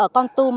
ở con tum